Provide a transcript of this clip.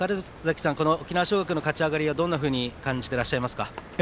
沖縄尚学の勝ち上がりはどんなふうに感じていますか。